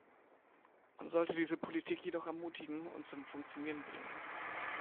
Man sollte diese Politik jedoch ermutigen und zum Funktionieren bringen.